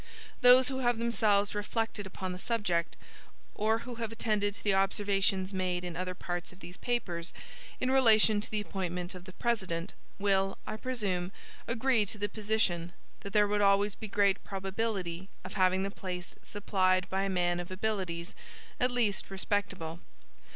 Those who have themselves reflected upon the subject, or who have attended to the observations made in other parts of these papers, in relation to the appointment of the President, will, I presume, agree to the position, that there would always be great probability of having the place supplied by a man of abilities, at least respectable.